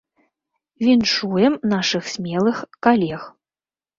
Віншуем нашых смелых калег.